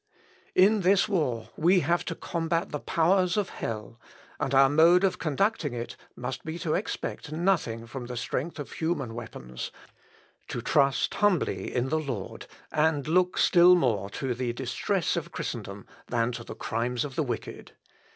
In this war we have to combat the powers of hell, and our mode of conducting it must be to expect nothing from the strength of human weapons to trust humbly in the Lord, and look still more to the distress of Christendom than to the crimes of the wicked.